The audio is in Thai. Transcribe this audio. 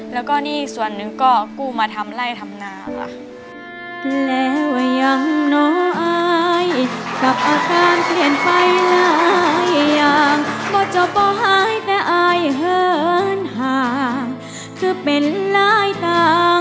แล้วก็หนี้ส่วนหนึ่งก็กู้มาทำไล่ทำนาค่ะ